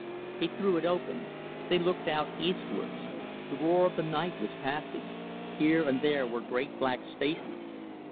He threw it open. They looked out eastwards. The roar of the night was passing. Here and there were great black spaces.